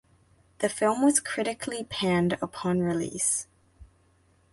The film was critically panned upon release.